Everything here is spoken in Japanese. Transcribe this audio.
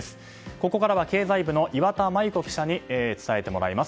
ここからは経済部の岩田真由子記者に伝えてもらいます。